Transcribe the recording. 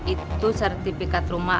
itu sertifikat rumah